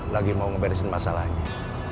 lagi mau ngeberesin masalahnya